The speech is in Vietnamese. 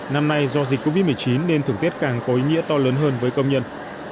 năm nay do dịch covid một mươi chín nên thưởng tết càng có ý nghĩa to lớn hơn với công nhân